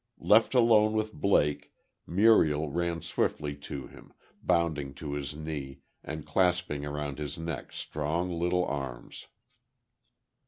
Left alone with Blake, Muriel ran swiftly to him, bounding to his knee, and clasping around his neck strong little arms.